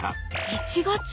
１月？